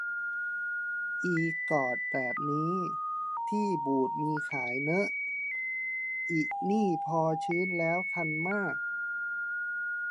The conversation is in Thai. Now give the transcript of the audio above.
อิกอซแบบนี้ ที่บูตส์มีขายเนอะ อินี่พอชื้นแล้วคันมาก